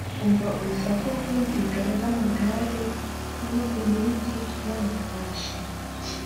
umva urusaku rw’inziga z’amagare n’ imirindi y’amafarashi